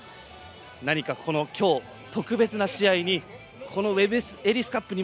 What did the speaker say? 何かこの、今日、特別な試合にこのウェブ・エリス・カップに